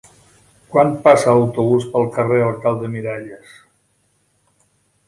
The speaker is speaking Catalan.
Quan passa l'autobús pel carrer Alcalde Miralles?